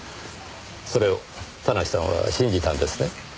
それを田無さんは信じたんですね？